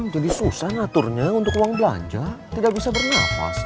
jadi susah naturnya untuk uang belanja tidak bisa bernafas